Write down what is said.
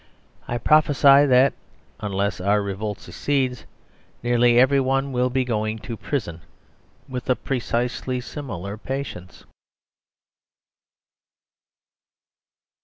I prophesy that (unless our revolt succeeds) nearly everyone will be going to Prison, with a precisely similar patience.